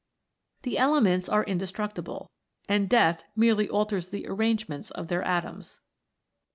The elements are indestructible, and death merely alters the arrangement of their atoms.